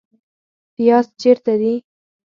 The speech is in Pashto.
پیاز چیرته دي؟